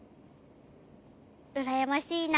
うらやましいな。